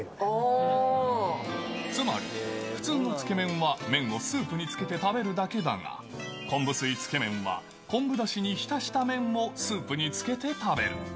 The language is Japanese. つまり普通のつけ麺は、麺をスープにつけて食べるだけだが、昆布水つけ麺は、昆布だしに浸した麺をスープにつけて食べる。